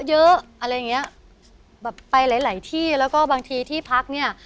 เยอะอะไรอย่างเงี้ยแบบไปหลายหลายที่แล้วก็บางทีที่พักเนี้ย